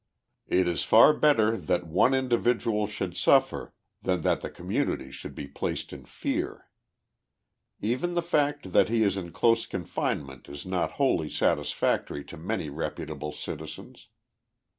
It is far better that one individual should suffer than 21 THE LIFE OF JESSE IIAEDIXG POMEBOY. that the community should be placed in fear. Even the fact that lie is in close confinement is not wholly satisfactory to many repu table citizens.